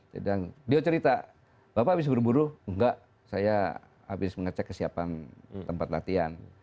sedang dia cerita bapak bisa buru buru enggak saya habis mengecek kesiapan tempat latihan